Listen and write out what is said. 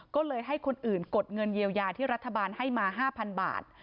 ก็เลยให้คนอื่นกดเงินเยียวยาที่รัฐบาลให้มา๕๐๐บาท